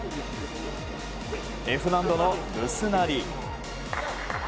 Ｆ難度のブスナリ。